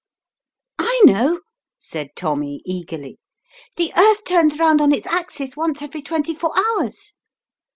" I know," said Tommy eagerly; "the earth turns round on its axis once every twenty four hours."